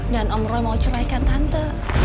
dan om roy mau ceraikan tante